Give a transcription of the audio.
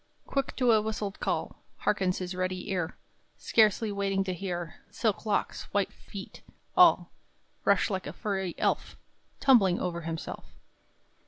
Quick to a whistled call Hearkens his ready ear, Scarcely waiting to hear; Silk locks, white feet, all Rush, like a furry elf Tumbling over himself.